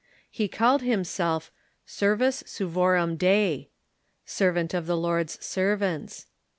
He called himself "seryws servorum DeV — "servant of the Lord's servants."